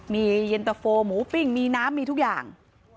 มีเย็นตะโฟหมูปิ้งมีน้ำมีทุกอย่าง